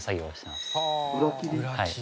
はい。